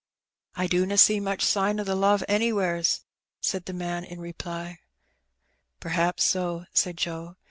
''I dunna see much sign o' the love anywheres/' said the man in reply. '^Pr'aps so," said Joe.